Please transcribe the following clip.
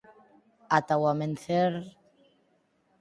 Ata o amencer...